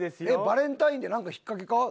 えっバレンタインってなんか引っかけか？